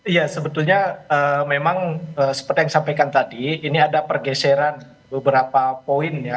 ya sebetulnya memang seperti yang sampaikan tadi ini ada pergeseran beberapa poinnya